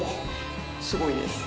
すごいです。